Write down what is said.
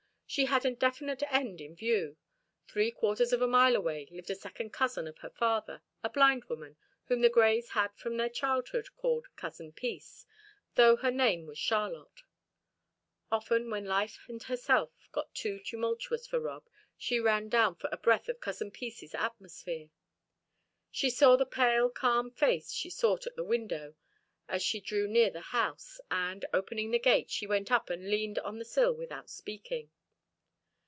She had a definite end in view. Three quarters of a mile away lived a second cousin of her father, a blind woman, whom the Greys had from their childhood called "Cousin Peace," though her name was Charlotte. Often, when life and herself got too tumultuous for Rob, she ran down for a breath of Cousin Peace's atmosphere. She saw the pale, calm face she sought at the window as she drew near the house, and, opening the gate, she went up and leaned on the sill without speaking.